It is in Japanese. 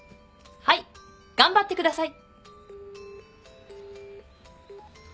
はい頑張ってください。